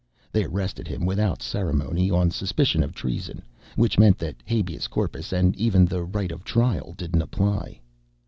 They arrested him without ceremony on suspicion of treason, which meant that habeas corpus and even the right of trial didn't apply.